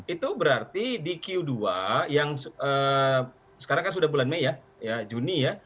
itu berarti di q dua yang sekarang kan sudah bulan mei ya juni ya